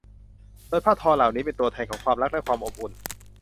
โดยผ้าทอเหล่านี้เป็นตัวแทนของความรักและความอบอุ่น